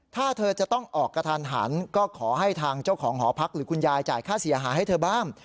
ถ้าเธอจะต้องออกกระทันหันก็ขอให้ทางเจ้าของหอพักหรือคุณยายจ่ายค่าเสียหายให้เธอบ้าง